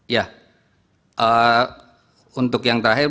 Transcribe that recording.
ya untuk yang terakhir